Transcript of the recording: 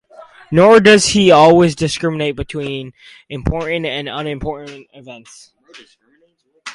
Nor does he always discriminate between important and unimportant events.